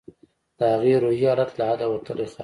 د هغې روحي حالت له حده وتلى خراب و.